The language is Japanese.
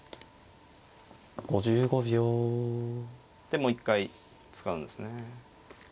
でもう一回使うんですね。